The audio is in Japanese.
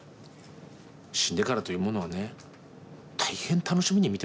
死んでからというものはね大変楽しみに見てます。